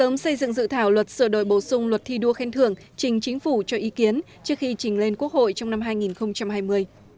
phủ cho ý kiến trước khi trình lên quốc hội trong năm hai nghìn hai mươi